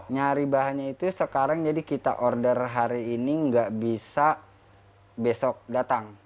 nyari bahannya itu sekarang jadi kita order hari ini nggak bisa besok datang